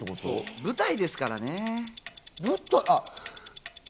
舞台ですからね。